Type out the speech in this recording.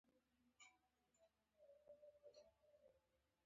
د پارلمان غړي یې بیا راوغوښتل.